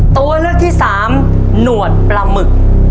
ตัวเลือกที่สามหนวดปลาหมึก